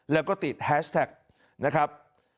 แล้วก็ติดแฮชแท็กนะครับ